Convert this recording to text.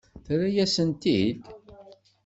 Terra-yasent-t-id?